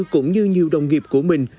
cũng như nhiều đồng nghiệp của mình